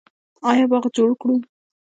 آیا باغ جوړ کړو؟